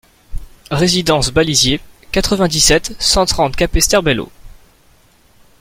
Résidence Balisier, quatre-vingt-dix-sept, cent trente Capesterre-Belle-Eau